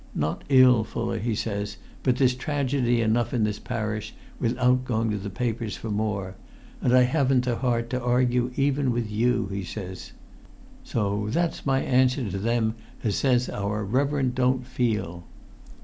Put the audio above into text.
'Not ill, Fuller,' he says; 'but there's tragedy enough in this parish without going to the papers for more. And I haven't the heart to argue even with you,' he says. So that's my answer to them as says our reverend don't feel."